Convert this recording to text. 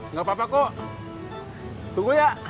nggak apa apa kok tunggu ya